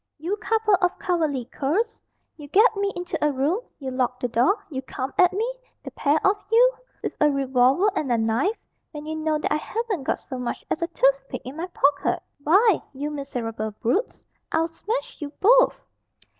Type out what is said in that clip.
"You couple of cowardly curs! You get me into a room, you lock the door, you come at me, the pair of you, with a revolver and a knife, when you know that I haven't got so much as a toothpick in my pocket! Why, you miserable brutes, I'll smash you both!"